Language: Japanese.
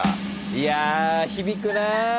いや響くなあ